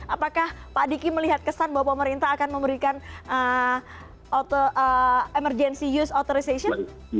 apakah pak diki melihat kesan bahwa pemerintah akan memberikan emergency use authorization